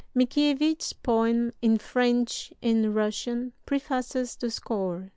Mickiewicz's poem, in French and Russian, prefaces the score.